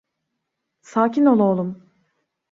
Sakin ol oğlum.